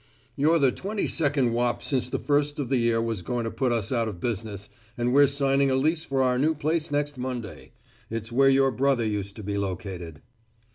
"You're the twenty second wop since the first of the year was going to put us out of business, and we're signing a lease for our new place next Monday. It's where your brother used to be located."